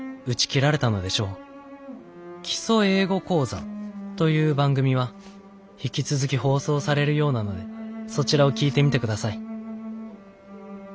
『基礎英語講座』という番組は引き続き放送されるようなのでそちらを聴いてみてください」。